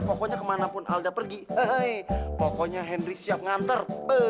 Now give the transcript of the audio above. pokoknya kemanapun alda pergi eh pokoknya henry siap nganter